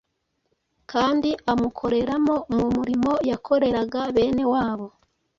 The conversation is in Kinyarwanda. kandi amukoreramo mu murimo yakoreraga bene wabo.